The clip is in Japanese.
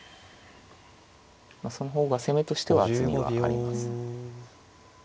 まあその方が攻めとしては厚みがあります。